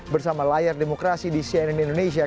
bersama layar demokrasi di cnn indonesia